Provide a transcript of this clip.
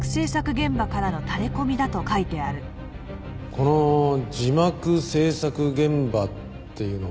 この字幕制作現場っていうのは。